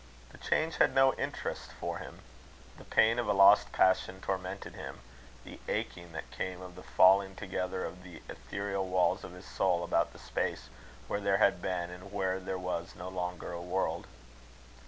The change had no interest for him. The pain of a lost passion tormented him the aching that came of the falling together of the ethereal walls of his soul, about the space where there had been and where there was no longer a world.